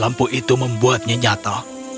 lampu itu membuatnya nyata